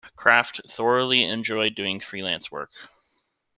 Kraft thoroughly enjoyed doing freelance work.